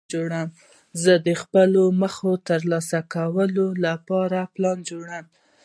زه د خپلو موخو د ترلاسه کولو له پاره پلان جوړوم.